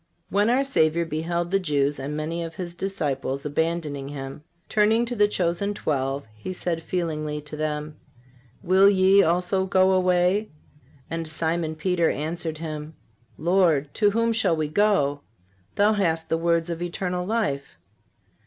When our Savior beheld the Jews and many of His disciples abandoning Him, turning to the chosen twelve, He said feelingly to them: "Will ye also go away? And Simon Peter answered Him: Lord, to whom shall we go? Thou hast the words of eternal life."